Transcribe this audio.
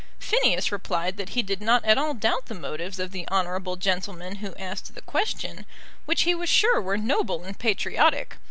Phineas replied that he did not at all doubt the motives of the honourable gentleman who asked the question, which he was sure were noble and patriotic.